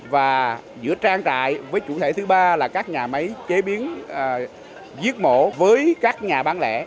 và giữa trang trại với chủ thể thứ ba là các nhà máy chế biến giết mổ với các nhà bán lẻ